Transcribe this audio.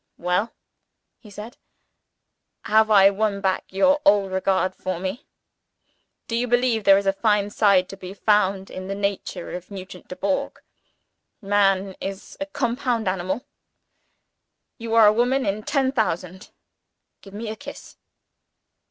"Well?" he said. "Have I won back your old regard for me? Do you believe there is a fine side to be found in the nature of Nugent Dubourg? Man is a compound animal. You are a woman in ten thousand. Give me a kiss."